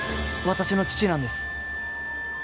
私の父なんです。